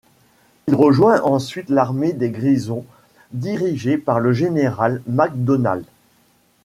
Il rejoint ensuite l’armée des Grisons dirigée par le général Macdonald.